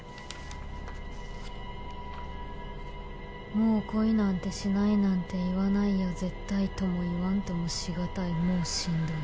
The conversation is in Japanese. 「もう恋なんてしないなんて言わないよ絶対ともいわんともしがたいもうしんどい」。